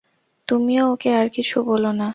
তুমিও ওকে আর কিছু বোলো না।